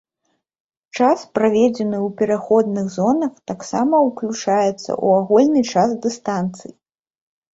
Час, праведзены ў пераходных зонах, таксама ўключаецца ў агульны час дыстанцыі.